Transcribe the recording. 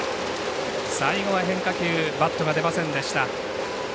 最後は変化球、バットが出ませんでした。